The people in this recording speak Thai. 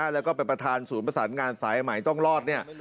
แล้วก็เป็นประธานศูนย์ประสานงานสายใหม่ต้องรอดเนี่ย